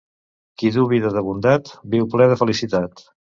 Qui duu vida de bondat, viu ple de felicitat.